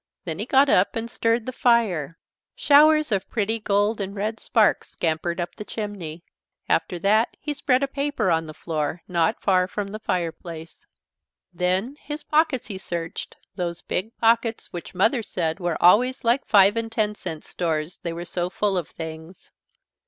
Then he got up and stirred the fire. Showers of pretty gold and red sparks scampered up the chimney. After that he spread a paper on the floor, not far from the fire place. Then his pockets he searched, those big pockets which Mother said were always like five and ten cent stores, they were so full of things.